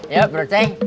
yuk bro aceh